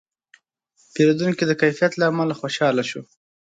پیرودونکی د کیفیت له امله خوشاله شو.